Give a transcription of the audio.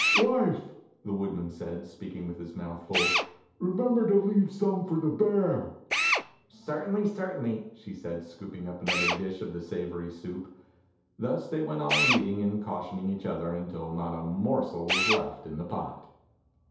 "Wife," the woodman said, speaking with his mouth full, "remember to leave some for the bear." "Certainly, certainly," she said, scooping up another dish of the savory soup. Thus they went on eating and cautioning each other until not a morsel was left in the pot.